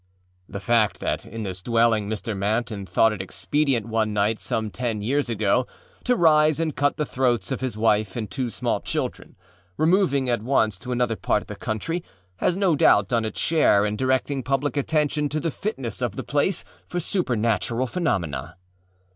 â The fact that in this dwelling Mr. Manton thought it expedient one night some ten years ago to rise and cut the throats of his wife and two small children, removing at once to another part of the country, has no doubt done its share in directing public attention to the fitness of the place for supernatural phenomena.